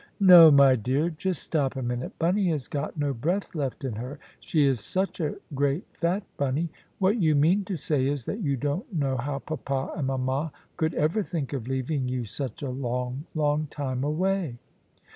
"No, my dear, just stop a minute. Bunny has got no breath left in her; she is such a great fat Bunny. What you mean to say is, that you don't know how papa and mama could ever think of leaving you such a long, long time away."